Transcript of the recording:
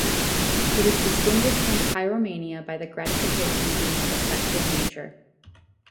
It is distinguished from pyromania by the gratification being of a sexual nature.